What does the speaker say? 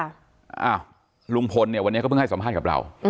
อ้าวลุงพลเนี่ยวันนี้เขาเพิ่งให้สัมภาษณ์กับเรา